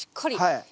はい。